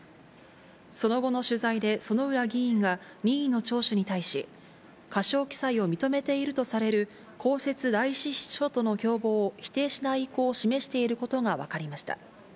その後の取材で、薗浦議員が任意の聴取に対し、過少記載を認めているとされる公設第１秘書との共謀を否定しない意向を示していることが分かりました。